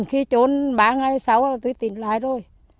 khi trốn ba ngày sau là tôi tìm lại rồi